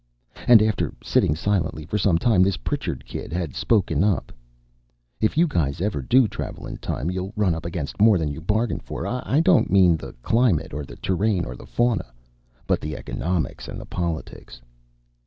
And after sitting silently for some time, this Pritchard kid had spoken up: "If you guys ever do travel in time, you'll run up against more than you bargain for. I don't mean the climate or the terrain or the fauna, but the economics and the politics."